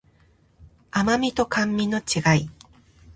甘味と甘味の違い